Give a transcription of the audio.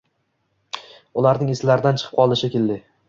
Ularning eslaridan chiqib qoldi, shekilli